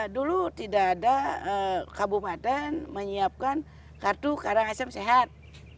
dulu tidak ada kabupaten menyiapkan kartu karangasem sehat